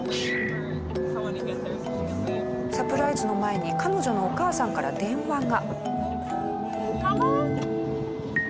サプライズの前に彼女のお母さんから電話が。